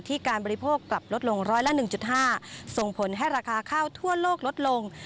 การบริโภคกลับลดลงร้อยละ๑๕ส่งผลให้ราคาข้าวทั่วโลกลดลง